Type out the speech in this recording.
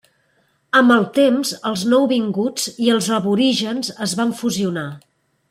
Amb el temps els nou vinguts i els aborígens es van fusionar.